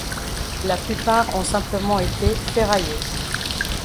La plupart ont simplement été ferraillés.